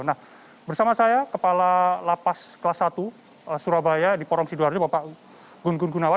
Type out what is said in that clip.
nah bersama saya kepala lapas kelas satu surabaya di porong sidoarjo bapak gun gun gunawan